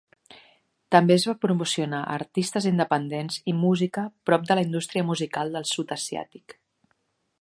També es va promocionar a artistes independents i música pop de la indústria musical del sud asiàtic.